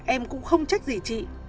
em cũng không trách gì chị